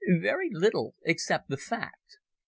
"Very little, except the fact.